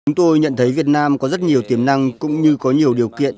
chúng tôi nhận thấy việt nam có rất nhiều tiềm năng cũng như có nhiều điều kiện